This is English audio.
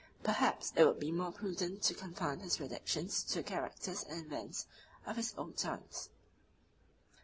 Perhaps it would be more prudent to confine his predictions to the characters and events of his own times.